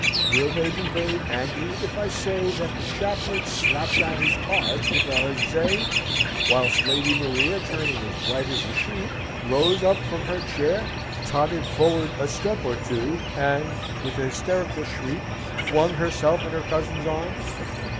Will they be very angry if I say that the chaplain slapped down his cards with a huzzay, whilst Lady Maria, turning as white as a sheet, rose up from her chair, tottered forward a step or two, and, with an hysterical shriek, flung herself in her cousin's arms?